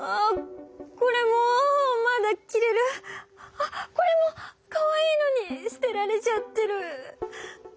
あっこれもかわいいのに捨てられちゃってる。